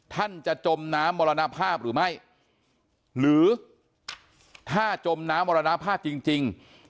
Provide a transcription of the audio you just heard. ท่านจะจมน้ำมรณภาพหรือไม่หรือถ้าจมน้ำมรณภาพจริง